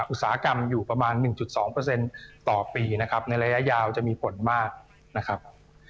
อุตสาหกรรมอยู่ประมาณ๑๒ต่อปีนะครับในระยะยาวจะมีผลมากนะครับ